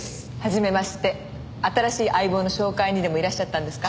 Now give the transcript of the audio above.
新しい相棒の紹介にでもいらっしゃったんですか？